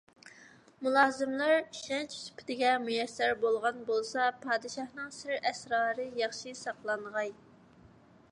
مۇلازىملار ئىشەنچ سۈپىتىگە مۇيەسسەر بولغان بولسا، پادىشاھنىڭ سىر - ئەسرارى ياخشى ساقلانغاي.